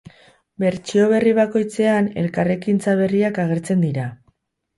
Bertsio berri bakoitzean elkarrekintza berriak agertzen dira.